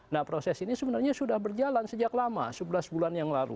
nah proses ini sebenarnya sudah berjalan sejak lama sebelas bulan yang lalu